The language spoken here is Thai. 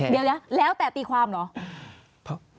เดี๋ยวแล้วแต่ตีความเหรอ